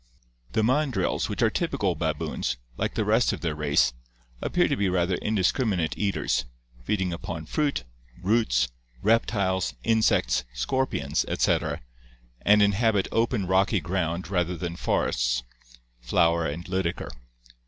The mandrills, which are typical baboons, like the rest of their race, "appear to be rather indiscriminate eaters, feeding upon fruit, roots, reptiles, insects, scorpions, etc., and inhabit open rocky ground rather than forests" (Flower and Lydekker).